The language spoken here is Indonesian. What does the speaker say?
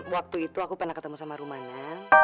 waktu itu aku pernah ketemu sama rumana